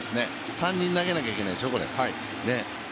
３人投げなきゃいけないでしょう。